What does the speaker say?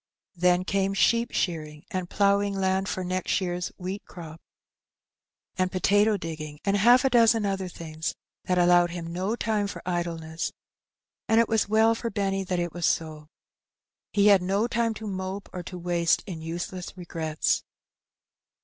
Then came sheep shearing and ploughing land for next yearns wheat crop, and potato digging, and half a dozen other things, that allowed him no time for idleness; and it was well for Benny that it was so. He had no time to mope or to waste in useless regrets.